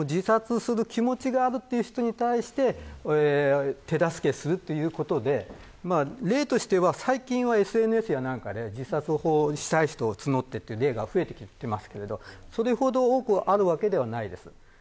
自殺ほう助も自殺する気持ちがある人に対して手助けするということで例として最近はＳＮＳや何かで自殺したい人を募る例が増えていますがそれほど多くあるわけではないです。